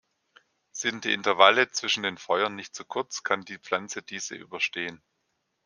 Sind die Intervalle zwischen den Feuern nicht zu kurz, kann die Pflanze diese überstehen.